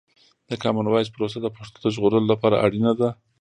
د کامن وایس پروسه د پښتو د ژغورلو لپاره اړینه ده.